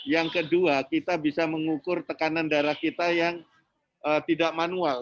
yang kedua kita bisa mengukur tekanan darah kita yang tidak manual